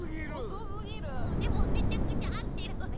でもめちゃくちゃ合ってるわよ。